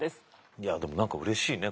いやでも何かうれしいね。